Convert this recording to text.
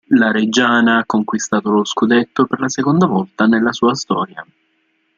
La Reggiana ha conquistato lo scudetto per la seconda volta nella sua storia.